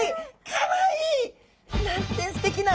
かわいい！なんてすてきな！